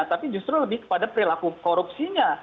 tapi justru lebih kepada perilaku korupsinya